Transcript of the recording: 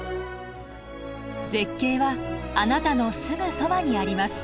絶景はあなたのすぐそばにあります。